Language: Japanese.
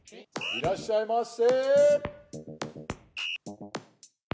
いらっしゃいませ！